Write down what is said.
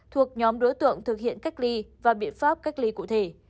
thuộc nhóm đối tượng thực hiện cách ly và biện pháp cách ly cụ thể